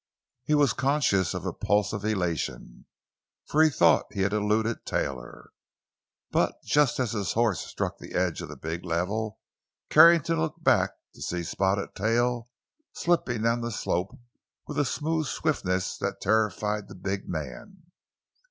He was conscious of a pulse of elation, for he thought he had eluded Taylor, but just as his horse struck the edge of the big level Carrington looked back, to see Spotted Tail slipping down the slope with a smooth swiftness that terrified the big man.